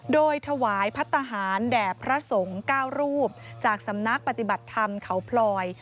โดยถวายพัฒนาหารแด่พระสงฆ์๙รูปจากสำนักปฏิบัติธรรมเขาพลอย